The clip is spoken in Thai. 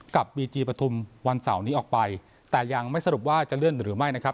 บีจีปฐุมวันเสาร์นี้ออกไปแต่ยังไม่สรุปว่าจะเลื่อนหรือไม่นะครับ